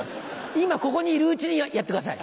今ここにいるうちにやってください。